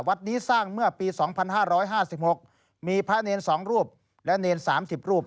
วัดนี้สร้างเมื่อปี๒๕๕๖มีพระเนร๒รูปและเนร๓๐รูป